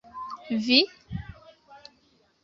Vi?